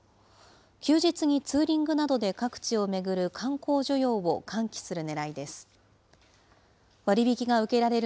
休日にツーリングなどで各地を巡る観光需要を喚起するねらいです。